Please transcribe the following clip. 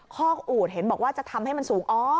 คอกอูดเห็นบอกว่าจะทำให้มันสูง